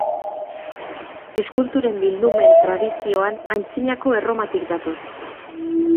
Eskulturen bildumen tradizioan Antzinako Erromatik dator.